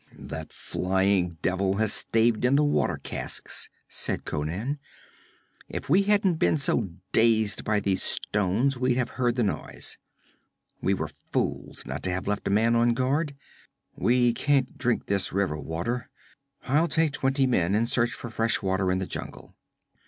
'That flying devil has staved in the water casks,' said Conan. 'If we hadn't been so dazed by these stones we'd have heard the noise. We were fools not to have left a man on guard. We can't drink this river water. I'll take twenty men and search for fresh water in the jungle.'